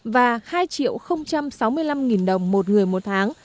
và hai sáu mươi năm đồng một người một tháng